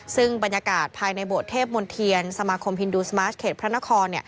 ซึ่งบรรยากาศภายในโบสถเทพมนเทียนสมาคมฮินดูสมาร์ทเขตพระนคร